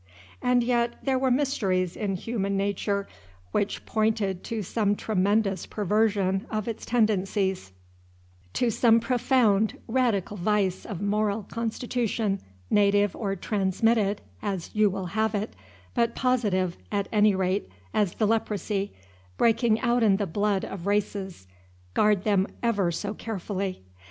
And yet there were mysteries in human nature which pointed to some tremendous perversion of its tendencies, to some profound, radical vice of moral constitution, native or transmitted, as you will have it, but positive, at any rate, as the leprosy, breaking out in the blood of races, guard them ever so carefully.